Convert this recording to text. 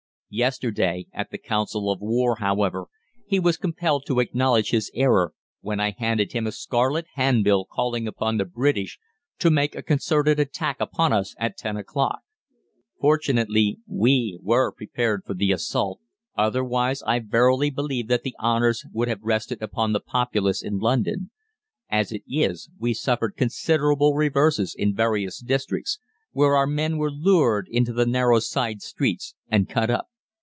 "Yesterday, at the Council of War, however, he was compelled to acknowledge his error when I handed him a scarlet handbill calling upon the British to make a concerted attack upon us at ten o'clock. Fortunately, we were prepared for the assault, otherwise I verily believe that the honours would have rested with the populace in London. As it is, we suffered considerable reverses in various districts, where our men were lured into the narrow side streets and cut up.